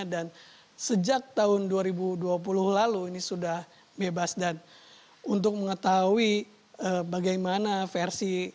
dan sejak tahun dua ribu dua puluh lalu ini sudah bebas dan untuk mengetahui bagaimana versi